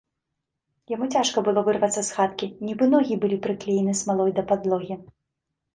Яму цяжка было вырвацца з хаткі, нібы ногі былі прыклеены смалой да падлогі.